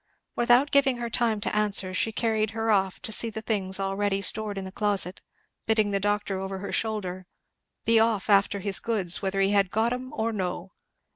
Without giving her time to answer she carried her off to see the things already stored in the closet, bidding the doctor over her shoulder "be off after his goods, whether he had got 'em or no."